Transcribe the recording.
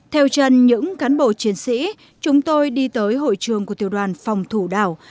theo chân những cán bộ chiến sĩ chúng tôi đi tới hội trường của tiểu đoàn phòng thủ đảo